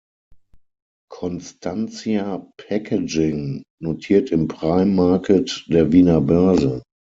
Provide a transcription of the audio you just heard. Constantia Packaging notiert im Prime Market der Wiener Börse.